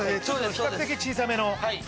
比較的小さめの。